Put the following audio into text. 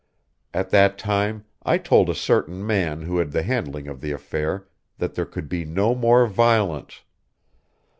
At that time I told a certain man who had the handling of the affair that there could be no more violence.